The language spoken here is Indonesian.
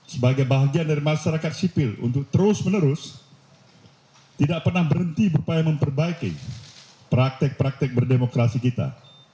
sebagai bahagian dari masyarakat sipil untuk terus menerus tidak pernah berhenti berupaya memperbaiki praktek praktek berdemokrasi kita